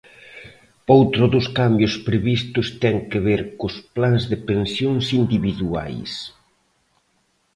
Outro dos cambios previstos ten que ver cos plans de pensións individuais.